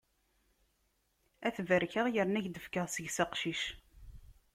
Ad t-barkeɣ yerna ad k-d-fkeɣ seg-s aqcic.